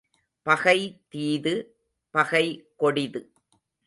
பகை தீது, பகை கொடிது.